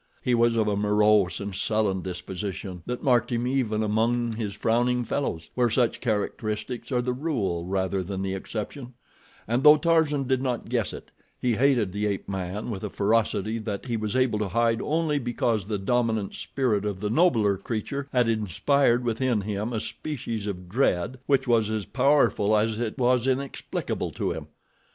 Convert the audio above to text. He was of a morose and sullen disposition that marked him even among his frowning fellows, where such characteristics are the rule rather than the exception, and, though Tarzan did not guess it, he hated the ape man with a ferocity that he was able to hide only because the dominant spirit of the nobler creature had inspired within him a species of dread which was as powerful as it was inexplicable to him.